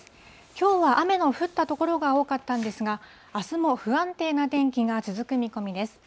きょうは雨の降った所が多かったんですが、あすも不安定な天気が続く見込みです。